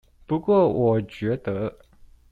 不過我覺得